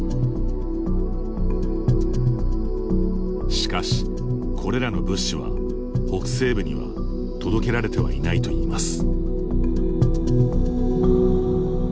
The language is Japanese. しかし、これらの物資は北西部には届けられてはいないといいます。